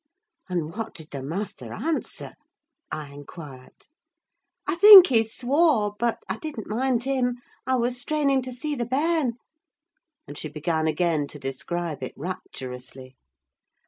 '" "And what did the master answer?" I inquired. "I think he swore: but I didn't mind him, I was straining to see the bairn," and she began again to describe it rapturously.